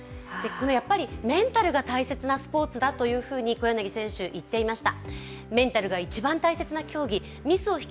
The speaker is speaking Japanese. やっぱりメンタルが大切なスポーツだというふうに小柳選手、言っていました。